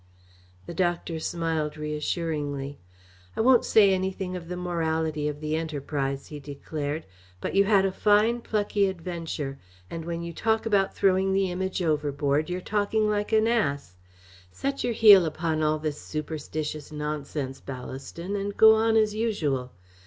The doctor smiled reassuringly. "I won't say anything of the morality of the enterprise," he declared, "but you had a fine, plucky adventure, and when you talk about throwing the Image overboard, you're talking like an ass. Set your heel upon all this superstitious nonsense, Ballaston, and go on as usual.